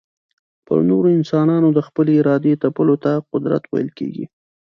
پر نورو انسانانو د خپلي ارادې تپلو ته قدرت ويل کېږي.